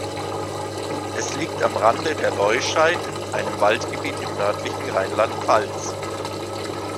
Es liegt am Rande der Leuscheid, einem Waldgebiet im nördlichen Rheinland-Pfalz.